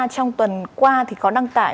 trong tuần qua thì có đăng tải